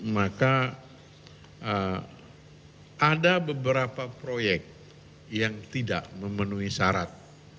maka ada beberapa proyek yang tidak memenuhi syarat